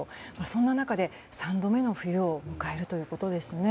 そんな中で３度目の冬を迎えるということですね。